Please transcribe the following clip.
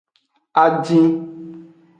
Adin.